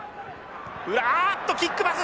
あっとキックパス！